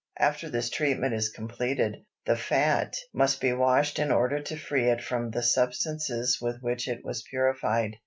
After this treatment is completed, the fat must be washed in order to free it from the substances with which it was purified.